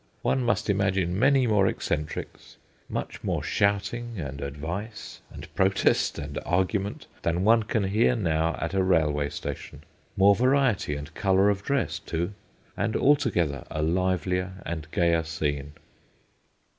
One must imagine many more eccentrics, much more shouting and advice and protest and argument than one can hear now at a railway station, more variety and colour of dress, too, and altogether a livelier and gayer scene.